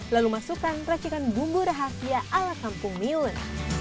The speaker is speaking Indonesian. lalu masukkan racikan bumbu rahasia ala kampung miyun